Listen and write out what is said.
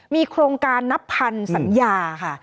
มีโครงการนับพันสัญญาค่ะ